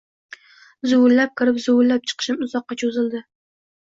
Zuvillab kirib, zuvillab chiqishim uzoqqa cho‘zildi